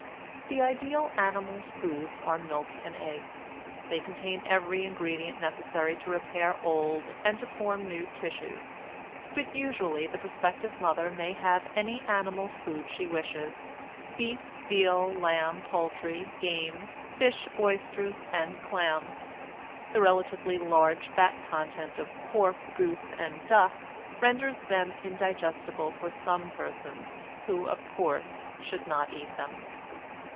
The ideal animal foods are milk and eggs; they contain every ingredient necessary to repair old and to form new tissues. But usually the prospective mother may have any animal food she wishes: beef, veal, lamb, poultry, game, fish, oysters, and clams. The relatively large fat content of pork, goose, and duck renders them indigestible for some persons, who, of course, should not eat them.